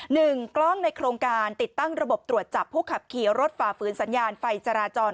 หนึ่งกล้องในโครงการติดตั้งระบบตรวจจับผู้ขับขี่รถฝ่าฝืนสัญญาณไฟจราจร